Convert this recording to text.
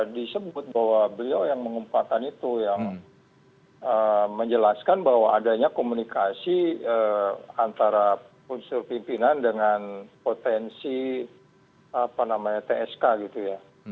itu sudah disebut bahwa beliau yang mengempatkan itu yang menjelaskan bahwa adanya komunikasi antara punsir pimpinan dengan potensi tsk gitu ya